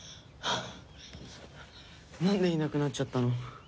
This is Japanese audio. なんでいなくなっちゃったの？